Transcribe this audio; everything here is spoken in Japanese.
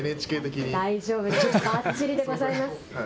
大丈夫です、ばっちりでございます。